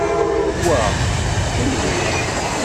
Wa, kenwi.